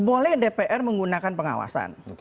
boleh dpr menggunakan pengawasan